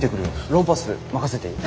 ロンパース任せていい？